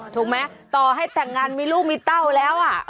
ถูกไหมต่อให้แต่งงานมีลูกมีเต้าแล้ว